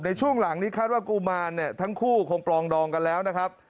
ในช่วงหลังนี้คาดว่ากุมารเนี่ยทั้งคู่คงปลองดองกันแล้วนะครับ